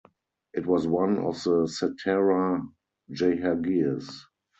It was one of the Satara Jahagirs.